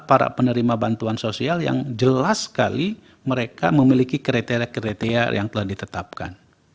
para penerima bantuan sosial yang jelas sekali mereka memiliki kriteria kriteria yang telah ditetapkan